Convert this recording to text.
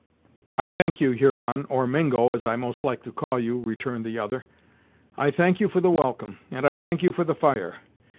"I thank you, Huron or Mingo, as I most like to call you," returned the other, "I thank you for the welcome, and I thank you for the fire.